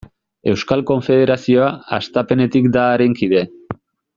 Euskal Konfederazioa hastapenetik da haren kide.